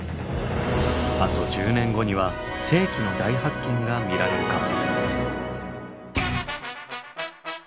あと１０年後には世紀の大発見が見られるかも。